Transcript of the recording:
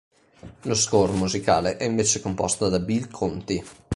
Lo "score" musicale è invece composto da Bill Conti.